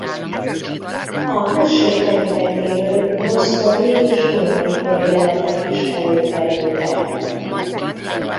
A község területéről bronzkori és római kori leletek is előkerültek.